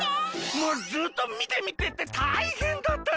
もうずっと「みてみて」ってたいへんだったよ。